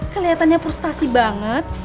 keliatannya frustasi banget